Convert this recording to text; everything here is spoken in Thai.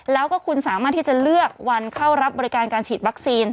แล้วก็คุณสามารถที่จะเลือกวันเข้ารับบริการการฉีดวัคซีน